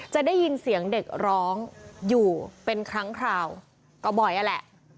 จะได้ยินเสียงเด็กร้องอยู่เป็นครั้งคราวก็บ่อยนั่นแหละ